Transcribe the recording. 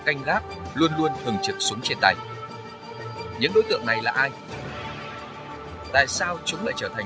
canh gác luôn luôn thường trực xuống chia tay những đối tượng này là ai tại sao chúng lại trở thành